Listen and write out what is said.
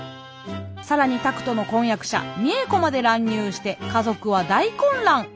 更に拓門の婚約者未映子まで乱入して家族は大混乱！